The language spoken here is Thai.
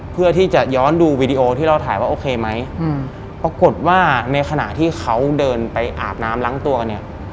เพื่อที่จะย้อนดูวีดีโอที่เราถ่ายว่าโอเคไหมอืมปรากฏว่าในขณะที่เขาเดินไปอาบน้ำล้างตัวกันเนี่ย